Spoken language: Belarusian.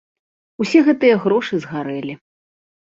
Усе гэтыя грошы згарэлі.